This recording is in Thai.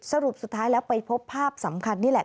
สรุปสุดท้ายแล้วไปพบภาพสำคัญนี่แหละ